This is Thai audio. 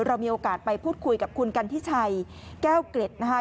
เรามีโอกาสไปพูดคุยกับคุณกันทิชัยแก้วเกร็ดนะคะ